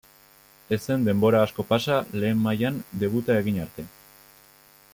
Ez zen denbora asko pasa Lehen Mailan debuta egin arte.